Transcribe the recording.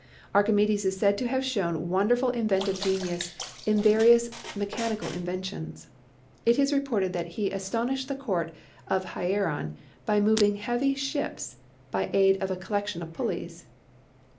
Archimedes is said to have shown wonderful inventive genius in various mechanical inventions. It is reported that he astonished the court of Hieron by moving heavy ships by aid of a collection of pulleys.